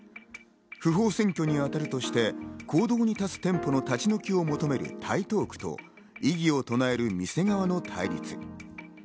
不法占拠に当たるとして公道に立つ店舗の立ち退きを求める台東区と異議を唱える店側の対立。